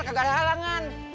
kagak ada halangan